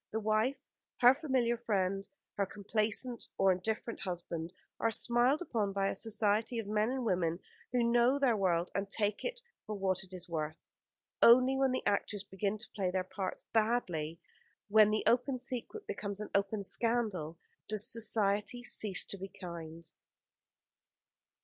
The wife, her familiar friend, her complaisant or indifferent husband, are smiled upon by a society of men and women who know their world and take it for what it is worth. Only when the actors begin to play their parts badly, and when the open secret becomes an open scandal, does Society cease to be kind.